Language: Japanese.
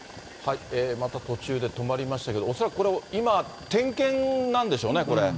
また途中で止まりましたけど、恐らくこれ、今、点検なんでしょうね、これ。